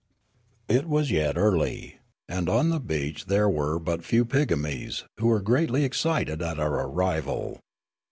" It was yet early, and on the beach there were but few pigmies, who were greatly excited at our arrival.